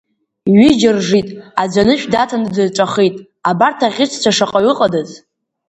Ҩыџьа ржит, аӡә анышә даҭаны дырҵәахит абарҭ аӷьычцәа шаҟаҩ ыҟадаз?